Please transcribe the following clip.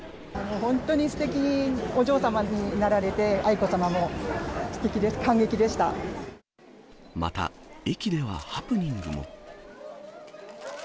本当にすてきにお嬢様になられて、愛子さまも、すてきです、また、駅ではハプニングも。